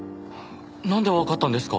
なんでわかったんですか？